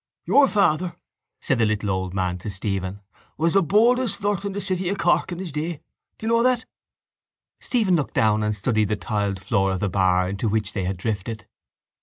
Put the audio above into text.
—Your father, said the little old man to Stephen, was the boldest flirt in the city of Cork in his day. Do you know that? Stephen looked down and studied the tiled floor of the bar into which they had drifted.